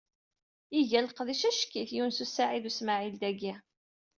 Iga leqdic ack-it Yunes u Saɛid u Smaɛil, dagi.